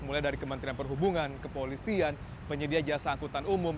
mulai dari kementerian perhubungan kepolisian penyedia jasa angkutan umum